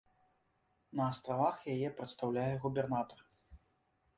На астравах яе прадстаўляе губернатар.